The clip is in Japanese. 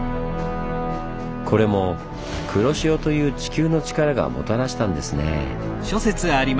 これも黒潮という地球のチカラがもたらしたんですねぇ。